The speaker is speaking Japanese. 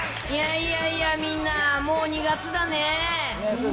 いやいやいや、みんな、もう２月だね。